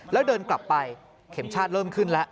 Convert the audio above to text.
แล้วเดินกลับไปเข็มชาติเริ่มขึ้นแล้ว